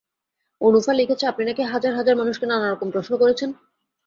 অনুফা লিখেছে, আপনি নাকি হাজার-হাজার মানুষকে নানা রকম প্রশ্ন করেছেন।